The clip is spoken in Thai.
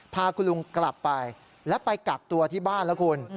พาคุณลุงกลับไปและไปกักตัวที่บ้านแล้วคุณ